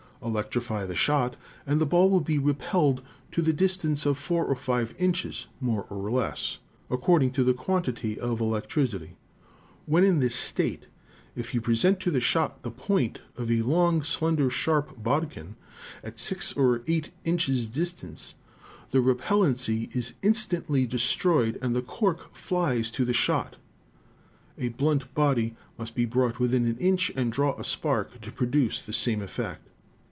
Electrify the shot, and the ball will be repelled to the distance of four or five inches, more or less, according to the quantity of electricity ^ When in this state, if you present to the shot the point of a long, slender, sharp bodkin, at six or eight inches dis ELECTROSTATICS 161 tance, the repellency is instantly destroyed and the cork flies to the shot. A blunt body must be brought within an inch and draw a spark to produce the same effect.